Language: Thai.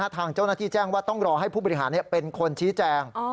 ทางเจ้าหน้าที่แจ้งว่าต้องรอให้ผู้บริหารเป็นคนชี้แจง